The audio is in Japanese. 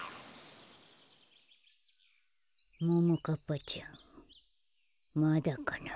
ももかっぱちゃんまだかな。